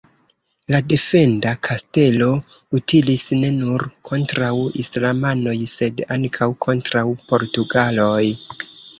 La defenda kastelo utilis ne nur kontraŭ islamanoj, sed ankaŭ kontraŭ portugaloj.